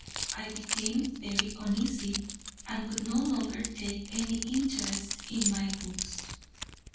I became very uneasy, and could no longer take any interest in my books.